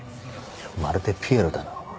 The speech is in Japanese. まるでピエロだな。